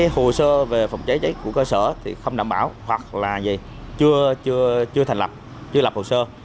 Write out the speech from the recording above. hồ sơ về phòng cháy cháy của cơ sở không đảm bảo hoặc chưa thành lập hồ sơ